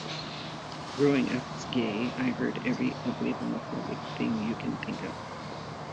Growing up as gay, I heard every ugly homophobic thing you can think of.